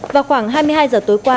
vào khoảng hai mươi hai giờ tối qua